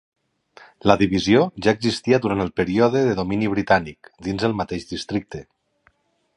La divisió ja existia durant el període de domini britànic, dins el mateix districte.